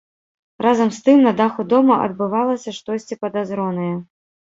Разам з тым на даху дома адбывалася штосьці падазронае.